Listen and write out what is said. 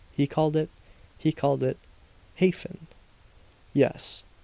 He called it called it Hafen!" "Yes.